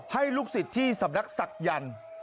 ให้ลูกศิษย์ที่สำนักศักยัล